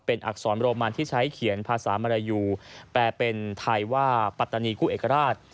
เป็นอักษรโรมันที่ใช้เขียนภาษามรยูแปลเป็นไทยว่าปัตตานีคู่เอกราช